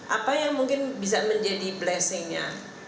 apa yang mungkin bisa menjadi blessingnya